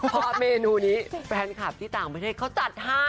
เพราะเมนูนี้แฟนคลับที่ต่างประเทศเขาจัดให้